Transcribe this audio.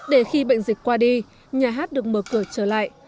để khi bệnh dịch qua đi nhà hát được mở cửa trở lại